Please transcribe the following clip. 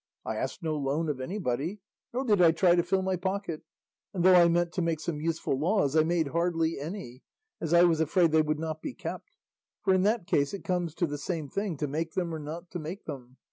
I asked no loan of anybody, nor did I try to fill my pocket; and though I meant to make some useful laws, I made hardly any, as I was afraid they would not be kept; for in that case it comes to the same thing to make them or not to make them.